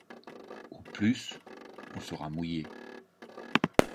Au plus on sera mouillé.